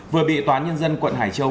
vừa bị tòa nhân dân quận hải châu